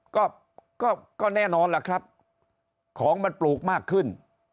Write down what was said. ก็ก็แน่นอนล่ะครับของมันปลูกมากขึ้น